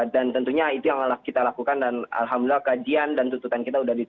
dan tentunya itu yang kita lakukan dan alhamdulillah kajian dan penelitian kita juga berhasil